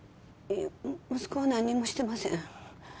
息子は何もしてません